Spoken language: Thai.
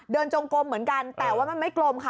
จงกลมเหมือนกันแต่ว่ามันไม่กลมค่ะ